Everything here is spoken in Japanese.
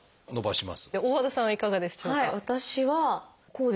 大和田さんはいかがでしょうか。